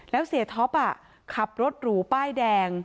แล้วเสียท็อปขับรถหรูป้ายแดง